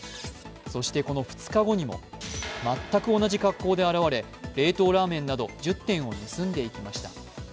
そして、この２日後にも全く同じ格好で現れ、冷凍ラーメンなど１０点を盗んでいきました。